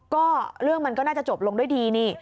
ก็เรื่องมันก็น่าจะจบลงด้วยดีนี่